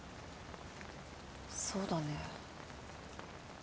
そうだね。